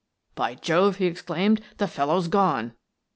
" By Jove! " he exclaimed. " The fellow's gone!